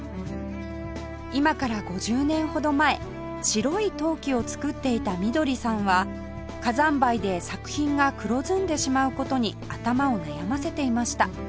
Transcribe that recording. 今から５０年ほど前白い陶器を作っていた翠史さんは火山灰で作品が黒ずんでしまう事に頭を悩ませていました